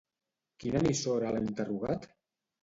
Quina emissora l'ha interrogat?